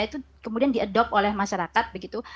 itu kemudian diadopt oleh masyarakat begitu